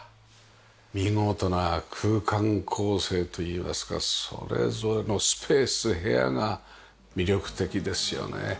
見事な空間構成といいますかそれぞれのスペース部屋が魅力的ですよね。